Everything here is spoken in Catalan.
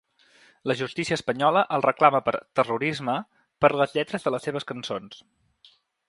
La justícia espanyola el reclama per ‘terrorisme’ per les lletres de les seves cançons.